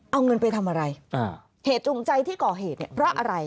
เอาเงินไปทำอะไรเหตุจูงใจที่ก่อเหตุเนี่ยเพราะอะไร